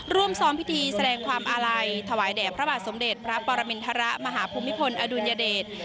ร่วมซ้อมพิธีแสดงความอาลัยถวายแด่พระบาทสมเด็จพระปรมินทรมาหาภูมิพลอดุลยเดช